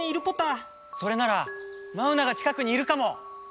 それならマウナが近くにいるかも！